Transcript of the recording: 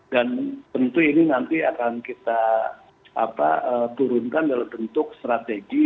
dan tentu ini nanti akan kita turunkan dalam bentuk strategi